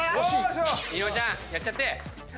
伊野尾ちゃんやっちゃって。